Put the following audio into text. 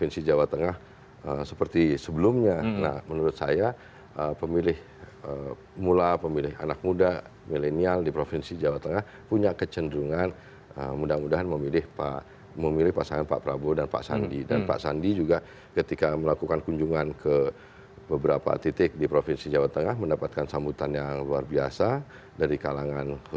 sebelumnya prabowo subianto